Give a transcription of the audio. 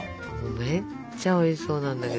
めっちゃおいしそうなんだけど。